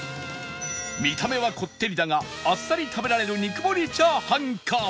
見た目はこってりだがあっさり食べられる肉盛りチャーハンか